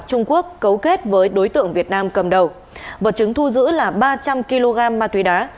trung quốc cấu kết với đối tượng việt nam cầm đầu vật chứng thu giữ là ba trăm linh kg ma túy đá